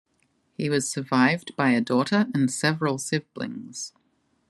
He was survived by a daughter and several siblings.